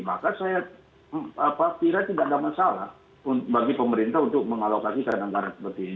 maka saya kira tidak ada masalah bagi pemerintah untuk mengalokasikan anggaran seperti ini